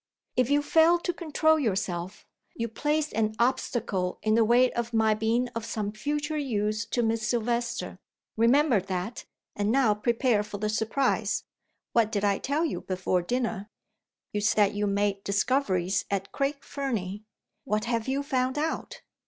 "If you fail to control yourself, you place an obstacle in the way of my being of some future use to Miss Silvester. Remember that, and now prepare for the surprise. What did I tell you before dinner?" "You said you had made discoveries at Craig Fernie. What have you found out?"